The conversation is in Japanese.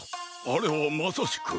あれはまさしく。